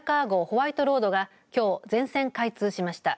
ホワイトロードがきょう全線開通しました。